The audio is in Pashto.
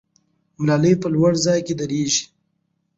ملالۍ په لوړ ځای کې درېدلې.